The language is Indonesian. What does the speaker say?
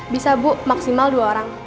bisa bu maksimal dua orang